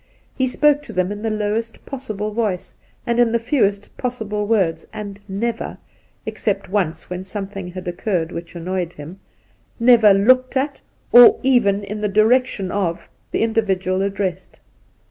He spoke to them in the lowest possible voice and in the fewest possible words, and never — except once, when something had occurred which annoyed him — ^never looked at, or even in the direction of, the individual addressed.